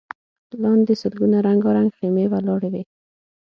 لاندې سلګونه رنګارنګ خيمې ولاړې وې.